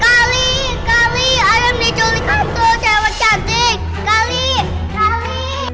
kali kali ada nih jolik atau cewek cantik kali kali